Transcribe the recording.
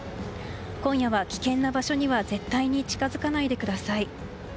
今夜は危険な場所には絶対に近づかないでください。